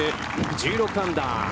１６アンダー。